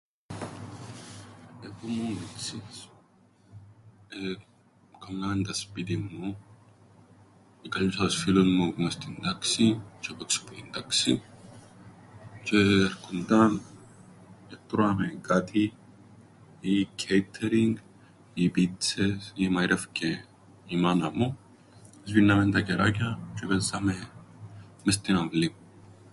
Ε, που 'μουν μιτσής εκάμναμεν τα σπίτιν μου, εκαλιούσα τους φίλους μου που μες στην τάξην, τζ̆αι πόξω που την τάξην, τζ̆αι έρκουνταν, ετρώαμεν κάτι, ή κκέιτερινγκ, ή πίτσες, ή εμαείρευκεν η μάνα μου, εσβήνναμεν τα κεράκια τζ̆αι επαίζαμεν μες στην αυλή.